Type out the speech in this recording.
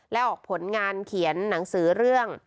และออกผลงานเขียนหนังสือเรื่อง